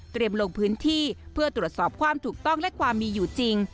ลงพื้นที่เพื่อตรวจสอบความถูกต้องและความมีอยู่จริง